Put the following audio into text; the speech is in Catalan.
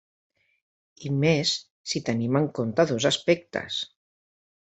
I més, si tenim en compte dos aspectes.